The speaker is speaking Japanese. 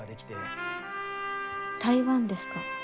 台湾ですか。